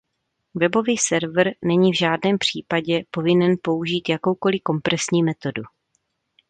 Webový server není v žádném případě povinen použít jakoukoliv kompresní metodu.